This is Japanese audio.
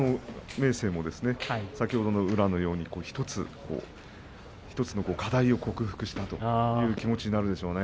先ほどの宇良のように一つ一つの課題を克服したという気持ちになるでしょうね。